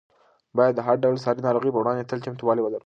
باید د هر ډول ساري ناروغۍ په وړاندې تل چمتووالی ولرو.